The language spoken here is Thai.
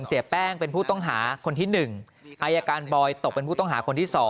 เสียแป้งเป็นผู้ต้องหาคนที่๑อายการบอยตกเป็นผู้ต้องหาคนที่๒